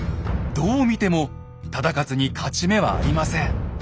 どう見ても忠勝に勝ち目はありません。